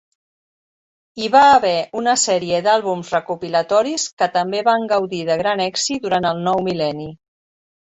Hi va haver una sèrie d'àlbums recopilatoris que també van gaudir de gran èxit durant el nou mil·lenni.